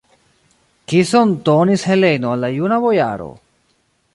Kison donis Heleno al la juna bojaro!